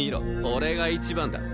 俺が一番だ。